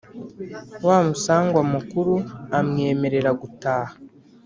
wa musangwa mukuru amwemerera gutaha.